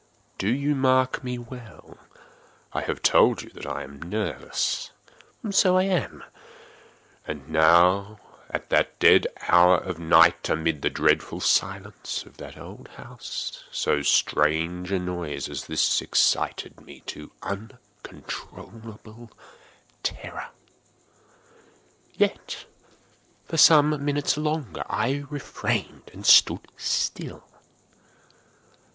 —do you mark me well? I have told you that I am nervous: so I am. And now at the dead hour of the night, amid the dreadful silence of that old house, so strange a noise as this excited me to uncontrollable terror. Yet, for some minutes longer I refrained and stood still.